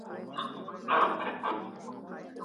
د ټولنيزې وړتيا اهمیت کم سوی دی.